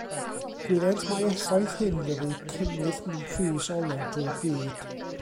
Gwyddent mai effaith hyn fyddai cynnydd mewn pris olew drwy'r byd.